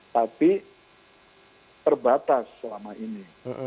tapi terbatas selama ini